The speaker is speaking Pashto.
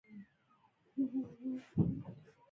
آزاد تجارت مهم دی ځکه چې واکسینونه رسوي.